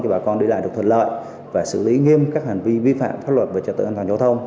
bà con đi lại được thuận lợi và xử lý nghiêm các hành vi vi phạm pháp luật về trật tự an toàn giao thông